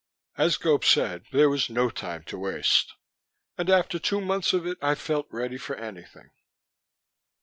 As Gope said, there was no time to waste ... and after two months of it I felt ready for anything.